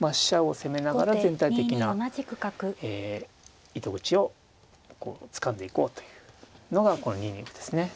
飛車を攻めながら全体的な糸口をつかんでいこうというのがこの２二歩ですね。